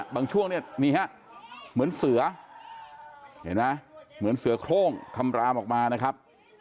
บางช่วงเหมือนเสือโครงคำรามออกมานะครับ